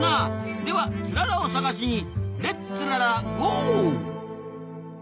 ではツララを探しにレッツララゴー！